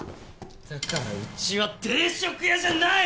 だからうちは定食屋じゃない！